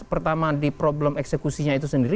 pertama di problem eksekusinya itu sendiri